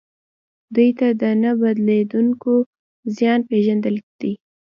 دوی ته د نه بدلیدونکي زیان پېژندل دي.